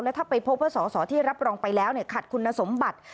ถ้าไปพบว่าสอสอที่รับรองไปแล้วขัดคุณสมบัติ